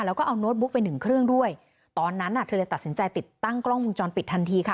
แล้วก็เอาโน้ตบุ๊กไปหนึ่งเครื่องด้วยตอนนั้นน่ะเธอเลยตัดสินใจติดตั้งกล้องวงจรปิดทันทีค่ะ